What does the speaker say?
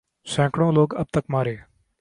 سینکڑوں لوگ اب تک مارے